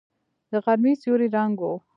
د غرمې سيوری ړنګ و.